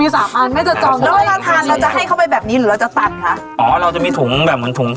ซับอ่อนหลังกินมายังจะเจาะเหลือไง